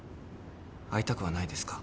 会いたくはないですか？